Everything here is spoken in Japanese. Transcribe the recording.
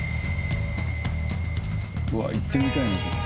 わあ行ってみたいなこれ。